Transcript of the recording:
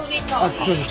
すいません。